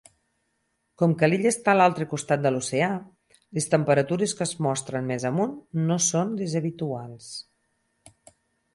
Com que l'illa està a l'altre costat de l'oceà, les temperatures que es mostren més amunt no són les habituals.